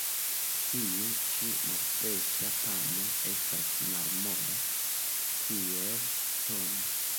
Tiu ĉi malfreŝa pano estas malmola, kiel ŝtono.